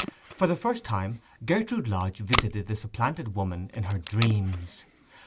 For the first time Gertrude Lodge visited the supplanted woman in her dreams.